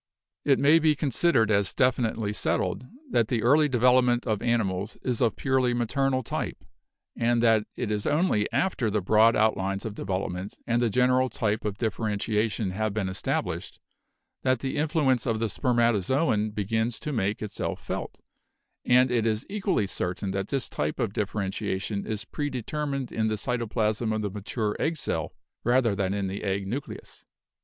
"It may be considered as definitely settled that the early development of animals is of purely maternal type, and that it is only after the broad outlines of development and the general type of differentiation have been established that the influence of the spermatozoon begins to make itself felt; and it is equally certain that this type of dif ferentiation is predetermined in the cytoplasm of the ma ture egg cell rather than in the egg nucleus.